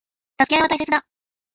助け合いは大切だ。